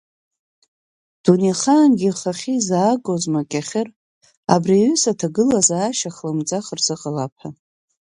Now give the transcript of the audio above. Дунеихаангьы ихахьы изаагозма Кьахьыр, абри аҩыза аҭагылазаашьа хлымӡаах рзыҟалап ҳәа.